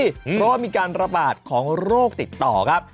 เพราะว่ามีการระบาดของโรคติดต่อครับ